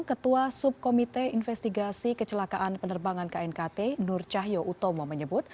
ketua subkomite investigasi kecelakaan penerbangan knkt nur cahyo utomo menyebut